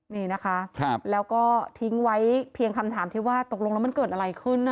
นี่นะคะแล้วก็ทิ้งไว้เพียงคำถามที่ว่าตกลงแล้วมันเกิดอะไรขึ้น